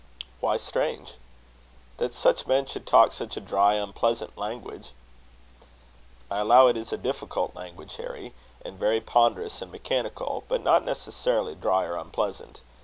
"Why strange?" "That such men should talk such a dry, unpleasant language." "I allow it is a difficult language, Harry; and very ponderous and mechanical; but not necessarily dry or unpleasant.